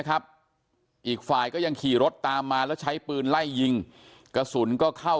อีกฝ่ายก็ยังขี่รถตามมาแล้วใช้ปืนไล่ยิงกระสุนก็เข้า